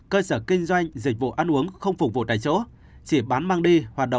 cơ sở kinh doanh dịch vụ ăn uống không phục vụ tại chỗ chỉ bán mang đi